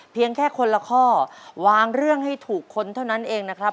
เพียงแค่คนละข้อวางเรื่องให้ถูกค้นเท่านั้นเองนะครับ